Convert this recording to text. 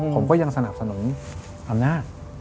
ผมก็ยังสนับสนุนอำนาจ